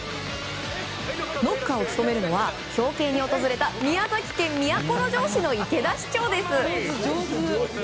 ノッカーを務めるのは表敬に訪れた宮崎県都城市の池田市長です。